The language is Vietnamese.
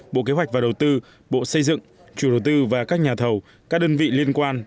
bộ kế hoạch và đầu tư bộ xây dựng chủ đầu tư và các nhà thầu các đơn vị liên quan